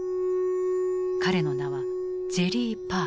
彼の名はジェリー・パー。